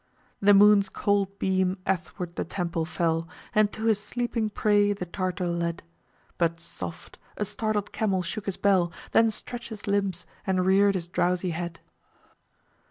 The moon's cold beam athwart the temple fell, And to his sleeping prey the Tartar led; But soft!—a startled camel shook his bell, Then stretch'd his limbs, and rear'd his drowsy head.